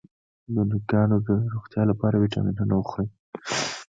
د نوکانو د روغتیا لپاره ویټامینونه وخورئ